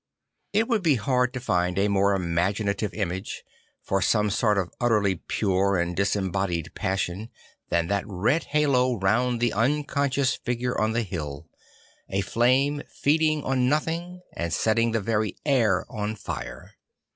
It would be hard to find a more imaginative image, for some sort of utterly pure and dis embodied passion, than that red halo round the unconscious figures on the hill; a flame feeding on nothing and setting the very air on fire.